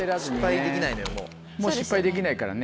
もう失敗できないからね。